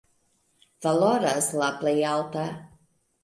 Valoras la plej alta.